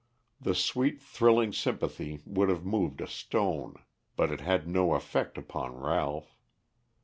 The sweet, thrilling sympathy would have moved a stone, but it had no effect upon Ralph.